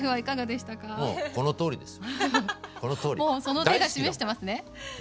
その手が示してますね。